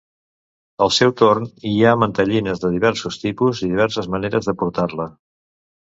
Al seu torn, hi ha mantellines de diversos tipus i diverses maneres de portar-la.